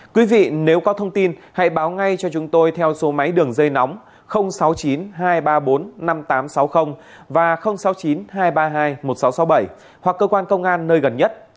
quý vị nếu có thông tin hãy báo ngay cho chúng tôi theo số máy đường dây nóng sáu mươi chín hai trăm ba mươi bốn năm nghìn tám trăm sáu mươi và sáu mươi chín hai trăm ba mươi hai một nghìn sáu trăm sáu mươi bảy hoặc cơ quan công an nơi gần nhất